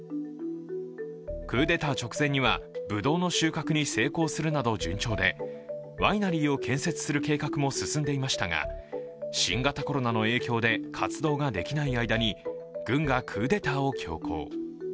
クーデター直前にはぶどうの収穫に成功するなど順調で、ワイナリーを建設する計画も進んでいましたが新型コロナの影響で活動ができない間に軍がクーデターを強行。